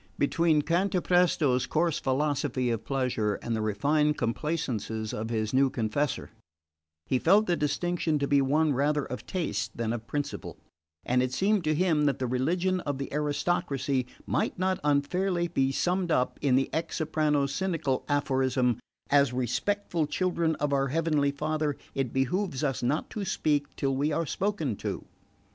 Between Cantapresto's coarse philosophy of pleasure and the refined complaisances of his new confessor he felt the distinction to be one rather of taste than of principle; and it seemed to him that the religion of the aristocracy might not unfairly be summed up in the ex soprano's cynical aphorism: "As respectful children of our Heavenly Father it behoves us not to speak till we are spoken to."